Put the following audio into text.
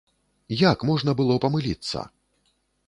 Як можна было памыліцца?